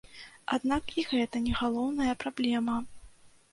Аднак і гэта не галоўная праблема.